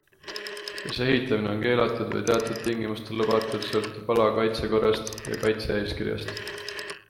Kas ehitamine on keelatud või teatud tingimustel lubatud, sõltub ala kaitsekorrast ja kaitse-eeskirjast.